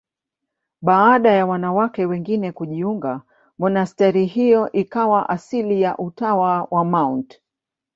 Baada ya wanawake wengine kujiunga, monasteri yao ikawa asili ya Utawa wa Mt.